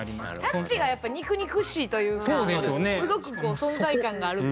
タッチがやっぱ肉々しいというかすごくこう存在感がある。